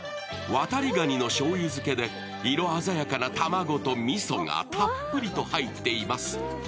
わたりがにのしょう油漬けで色鮮やかな卵とみそがたっぷりと入っています。